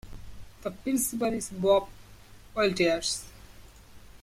The principal is Bob Walters.